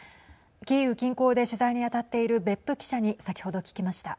キーウ近郊で取材に当たっている別府記者に先ほど聞きました。